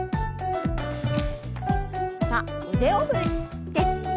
さあ腕を振って。